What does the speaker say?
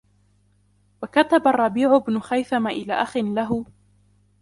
وَكَتَبَ الرَّبِيعُ بْنُ خَيْثَم إلَى أَخٍ لَهُ